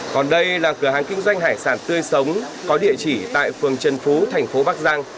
còn đây là cửa hàng kinh doanh hải sản tươi sống có địa chỉ tại phường trần phú thành phố bắc giang